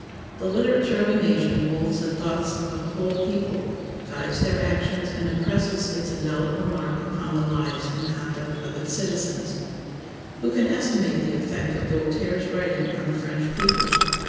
The literature of a nation molds the thoughts of a whole people, guides their actions, and impresses its indelible mark upon the lives and conduct of its citizens. Who can estimate the effect of Voltaire's writings on the French people?